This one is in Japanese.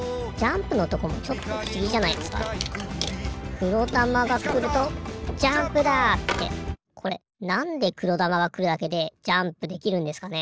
くろだまがくると「ジャンプだ！」ってこれなんでくろだまがくるだけでジャンプできるんですかね？